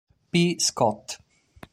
P. Scott.